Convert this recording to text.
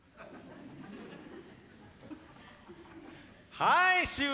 はい終了！